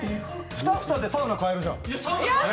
２房でサウナ買えるじゃん。